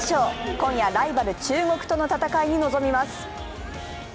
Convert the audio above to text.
今夜、ライバル中国との戦いに臨みます。